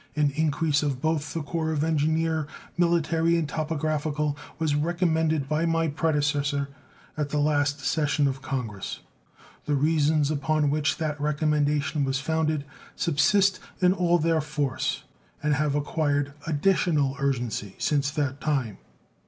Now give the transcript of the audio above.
An increase of both the corps of engineers, military and topographical, was recommended by my predecessor at the last session of Congress. The reasons upon which that recommendation was founded subsist in all their force and have acquired additional urgency since that time.